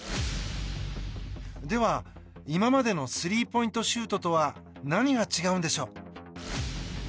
では、今までのスリーポイントシュートと何が違うんでしょう？